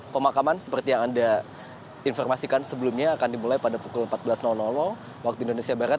pemakaman seperti yang anda informasikan sebelumnya akan dimulai pada pukul empat belas waktu indonesia barat